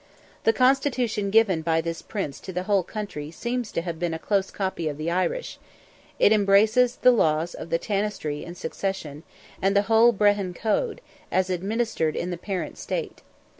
The constitution given by this Prince to the whole country seems to have been a close copy of the Irish—it embraced the laws of Tanistry and succession, and the whole Brehon code, as administered in the parent state.